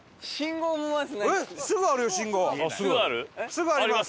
すぐあります。